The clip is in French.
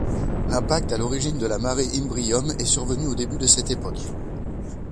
L'impact à l'origine de la Mare Imbrium est survenu au début de cette époque.